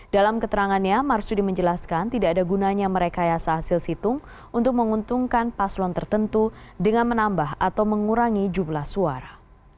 dalam keterangannya marsudi menjelaskan tidak ada gunanya merekayasa hasil situng untuk menguntungkan paslon tertentu dengan menambah atau mengurangi jumlah suara